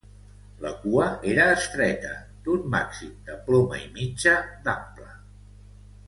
La cua era estreta, d'un màxim de ploma i mitja d'ample.